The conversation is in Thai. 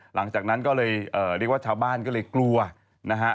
หลังจากนั้นก็เลยเอ่อเรียกว่าชาวบ้านก็เลยกลัวนะฮะ